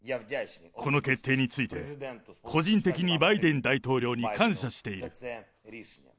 この決定について、個人的にバイデン大統領に感謝している。